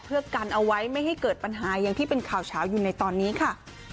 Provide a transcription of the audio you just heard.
เพื่อกันเอาไว้ไม่ให้เกิดปัญหาอย่างที่เป็นข่าวเฉาอยู่ในตอนนี้ค่ะ